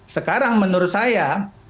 sekarang menurut saya